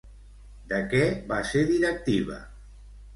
De què va ser directiva?